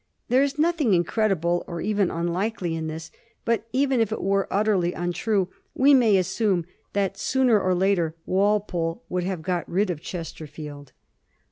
There is nothing incredible or even unlikely in this; but even if it were utterly untrue, we may assume that soon* er or later Walpole would have got rid of Chesterfield.